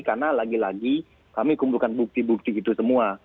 karena lagi lagi kami kumpulkan bukti bukti itu semua